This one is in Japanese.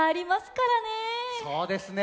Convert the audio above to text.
そうですね。